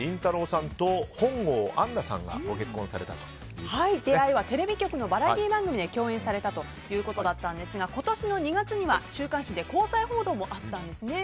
さんと本郷安奈さんが出会いはテレビ局のバラエティー番組で共演されたということだったんですが今年の２月には週刊誌で交際報道もあったんですね。